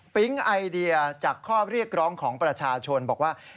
ไอเดียจากข้อเรียกร้องของประชาชนบอกว่า